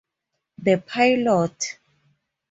The Pilot.